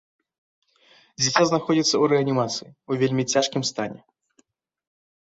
Дзіця знаходзіцца ў рэанімацыі ў вельмі цяжкім стане.